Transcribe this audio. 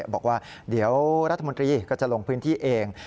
บอกว่าเดี๋ยวรัฐมนตรีก็จะลงพื้นที่เอง